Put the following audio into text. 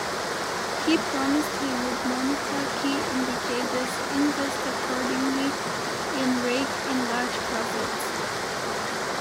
He promised he would monitor "key indicators", invest accordingly, and rake in large profits.